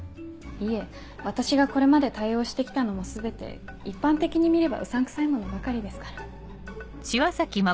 いえ私がこれまで対応して来たのも全て一般的に見ればうさんくさいものばかりですから。